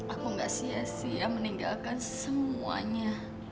aku gak sia sia meninggalkan semuanya